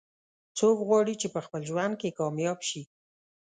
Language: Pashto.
څوک غواړي چې په خپل ژوند کې کامیاب شي